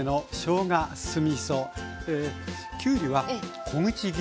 きゅうりは小口切りでした。